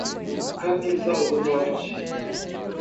Capinzal do Norte